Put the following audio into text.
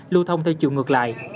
lưu thông theo chiều ngược lại